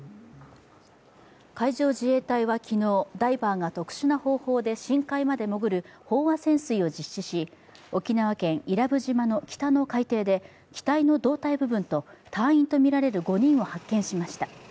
海上自衛隊は昨日、ダイバーが特殊な方法で深海まで潜る飽和潜水を実施し、沖縄県伊良部島の北の海底で機体の胴体部分と隊員とみられる５人を発見しました